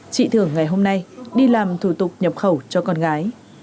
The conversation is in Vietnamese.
chị thưởng ngày hôm nay đi làm thủ tục nhập khẩu cho con gái